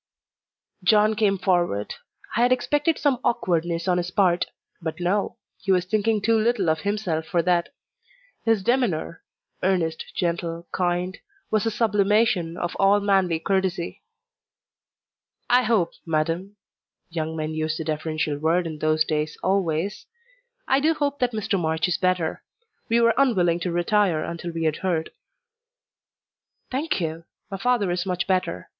John came forward. I had expected some awkwardness on his part; but no he was thinking too little of himself for that. His demeanour earnest, gentle, kind was the sublimation of all manly courtesy. "I hope, madam" young men used the deferential word in those days always "I do hope that Mr. March is better. We were unwilling to retire until we had heard." "Thank you! My father is much better.